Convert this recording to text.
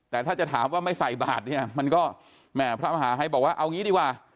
แต่ถ้าจะถามว่าไม่ใส่บาทเนี่ยมันก็แหม่พระมหาฮัยบอกว่าเอางี้ดีกว่า